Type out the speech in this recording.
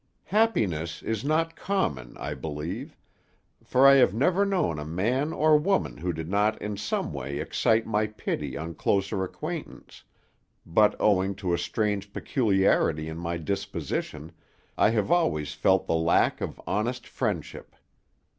Happiness is not common, I believe; for I have never known a man or woman who did not in some way excite my pity on closer acquaintance, but owing to a strange peculiarity in my disposition, I have always felt the lack of honest friendship.